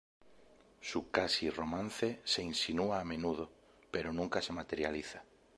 Su casi romance se insinúa a menudo, pero nunca se materializa.